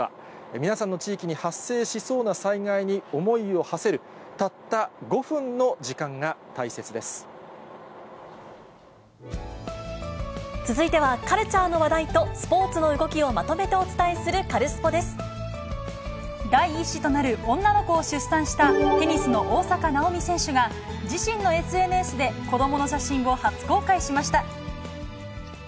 皆さんの地域に発生しそうな災害に思いをはせる、たった５分の時続いては、カルチャーの話題とスポーツの動きをまとめてお伝えする、カルス第１子となる女の子を出産した、テニスの大坂なおみ選手が自身のＳＮＳで、子どもの写真を初公開しました。